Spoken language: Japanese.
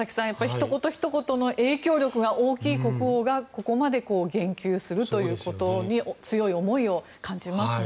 ひと言ひと言の影響力が大きい国王がここまで言及するということに強い思いを感じますね。